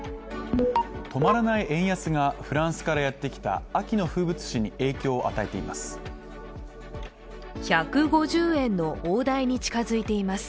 止まらない円安が、フランスからやってきた秋の風物詩に影響を与えています。